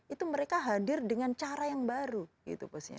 itu mereka hadir dengan cara yang baru gitu posisinya